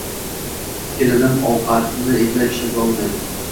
Kelinim ovqatni eplab pishirolmaydi.